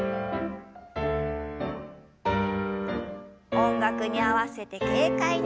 音楽に合わせて軽快に。